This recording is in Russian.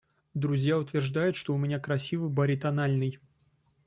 Друзья утверждают, что у меня красивый баритональный.